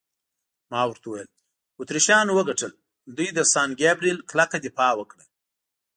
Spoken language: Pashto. ما ورته وویل: اتریشیانو وګټل، دوی د سان ګبرېل کلکه دفاع وکړه.